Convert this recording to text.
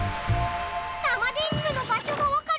タマ電Ｑの場しょがわかる